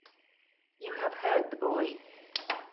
You have heard the boy.